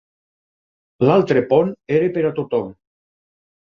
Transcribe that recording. L'altre pont era per a tothom.